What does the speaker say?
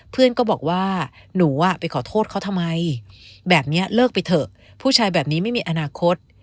เพื่อนก็บอกว่าหนูไปขอโทษเขาทำไมแบบนี้เลิกไปเถอะผู้ชายแบบนี้ไม่มีอนาคต